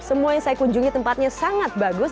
semua yang saya kunjungi tempatnya sangat bagus